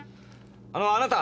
あのあなた！